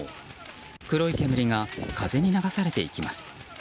黒い煙が風に流されていきます。